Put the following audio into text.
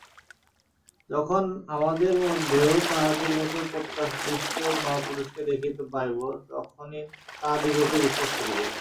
যখন আমাদের মধ্যেও তাঁহাদের মত প্রত্যাদিষ্ট মহাপুরুষকে দেখিতে পাইব, তখনই তাঁহাদিগকে বিশ্বাস করিব।